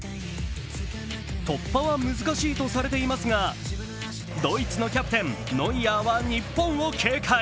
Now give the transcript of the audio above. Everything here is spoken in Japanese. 突破は難しいとされていますがドイツのキャプテン、ノイアーは日本を警戒。